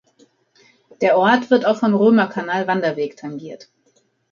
Der Ort wird auch vom Römerkanal-Wanderweg tangiert.